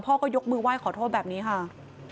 ก็ยกมือไหว้ขอโทษแบบนี้ค่ะ